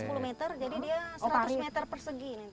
kesana sepuluh meter jadi dia seratus meter persegi nanti